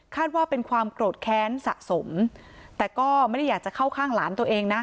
ว่าเป็นความโกรธแค้นสะสมแต่ก็ไม่ได้อยากจะเข้าข้างหลานตัวเองนะ